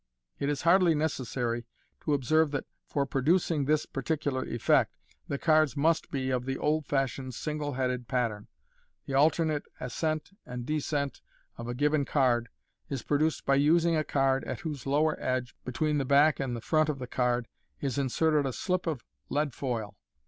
It is hardly necessary to observe that, for producing this particular effect, the cards must be ot the old fashioned single headed pattern. The alternate ascent and descent of a given card is produced by using a card at whose lower edge, between the back and front of the card, is inserted a slip of lead foil.